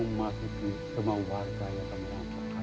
kamu memasuki semua warga yang terangkat